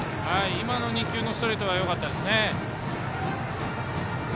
今の２球のストレートはよかったですね。